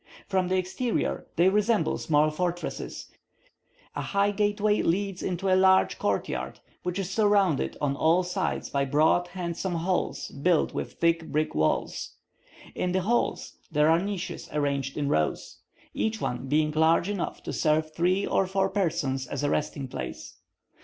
From the exterior, they resemble small fortresses; a high gateway leads into a large court yard, which is surrounded on all sides by broad, handsome halls built with thick brick walls. In the halls, there are niches arranged in rows; each one being large enough to serve three or four persons as a resting place.